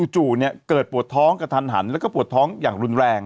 เกิดปวดท้องกระทันหันแล้วก็ปวดท้องอย่างรุนแรง